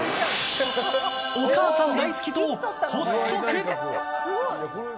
お母さん大好き党、発足！